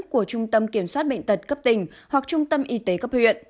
của trung tâm kiểm soát bệnh tật cấp tỉnh hoặc trung tâm y tế cấp huyện